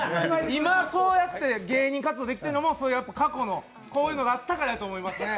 今そうやって芸人活動できているのも過去のこういうのがあったからやと思いますね。